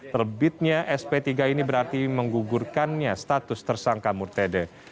terbitnya sp tiga ini berarti menggugurkannya status tersangka murtede